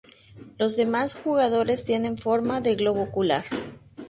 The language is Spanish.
Los demás jugadores tienen forma de globo ocular.